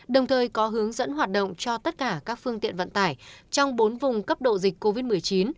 đồng thời có hướng dẫn hoạt động cho tất cả các phương tiện vận tải trong bốn vùng cấp độ dịch covid một mươi chín